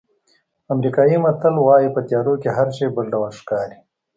امریکایي متل وایي په تیارو کې هر شی بل ډول ښکاري.